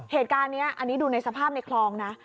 เหตุการณ์นี้อันนี้ดูในสภาพในคลองนะ